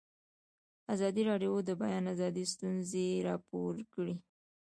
ازادي راډیو د د بیان آزادي ستونزې راپور کړي.